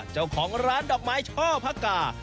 เจ้าของร้านดอกไม้ช่อพระกา